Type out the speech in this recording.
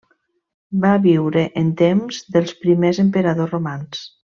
Va viure en temps dels primers emperadors romans.